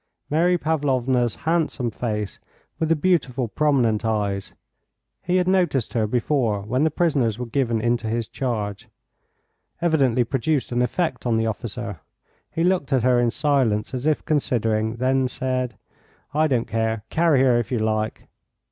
Mary Pavlovna's handsome face, with the beautiful prominent eyes (he had noticed her before when the prisoners were given into his charge), evidently produced an effect on the officer. He looked at her in silence as if considering, then said: "I don't care; carry her if you like.